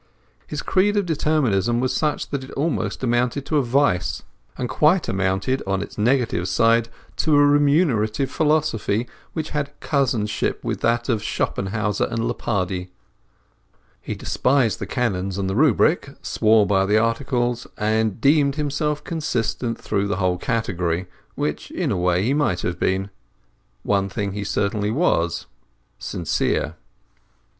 His creed of determinism was such that it almost amounted to a vice, and quite amounted, on its negative side, to a renunciative philosophy which had cousinship with that of Schopenhauer and Leopardi. He despised the Canons and Rubric, swore by the Articles, and deemed himself consistent through the whole category—which in a way he might have been. One thing he certainly was—sincere.